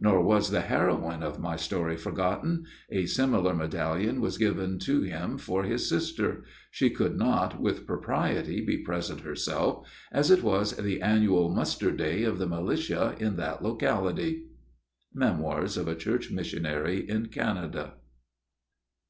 Nor was the heroine of my story forgotten. A similar medallion was given to him for his sister. She could not, with propriety, be present herself, as it was the annual muster day of the militia in that locality. MEMOIRS OF A CHURCH MISSIONARY IN CANADA.